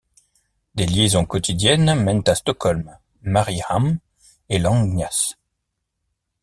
Des liaisons quotidiennes mènent à Stockholm, Mariehamn et Långnäs.